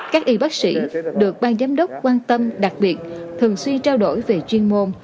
các y bác sĩ được bang giám đốc quan tâm đặc biệt thường suy trao đổi về chuyên môn